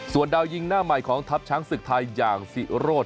ส่วนดาวยิงหน้าใหม่ของทัพช้างศึกไทยอย่างศิโรธ